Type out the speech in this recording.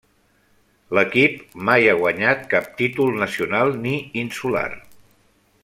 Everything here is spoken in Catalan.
L'equip mai ha guanyat cap títol nacional ni insular.